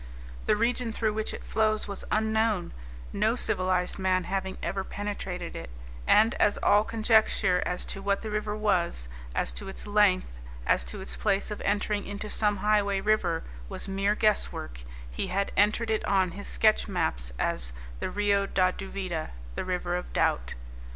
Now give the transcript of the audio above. The region through which it flows was unknown, no civilized man having ever penetrated it; and as all conjecture as to what the river was, as to its length, and as to its place of entering into some highway river, was mere guess work, he had entered it on his sketch maps as the Rio da Duvida, the River of Doubt.